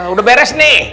udah beres nih